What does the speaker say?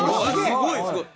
すごいすごい！